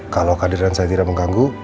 kalau kehadiran saya tidak mengganggu